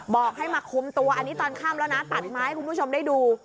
บอกให้มาคุมตัวอันนี้ตอนค่ำแล้วนะตัดไม้ให้คุณผู้ชมได้ดู